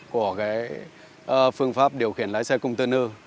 của phương pháp điều khiển lái xe công tư nư